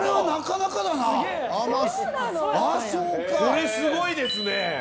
これすごいですね。